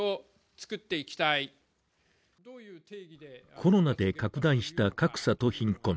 コロナで拡大した格差と貧困。